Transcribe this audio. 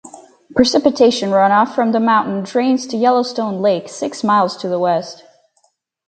Precipitation runoff from the mountain drains to Yellowstone Lake six miles to the west.